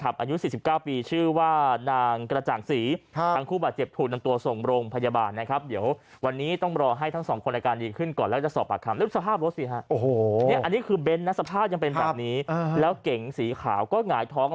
เบนสภาพยังเป็นแบบนี้แล้วเก่งสีขาวก็หงายท้อง